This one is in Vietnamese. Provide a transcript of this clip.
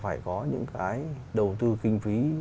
phải có những cái đầu tư kinh phí